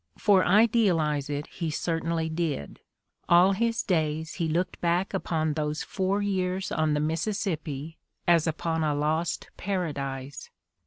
For idealize it he cer tainly did: all his days he looked back upon those four years on the Mississippi as upon a lost paradise.